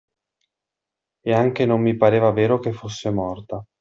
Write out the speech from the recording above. E anche non mi pareva vero che fosse morta.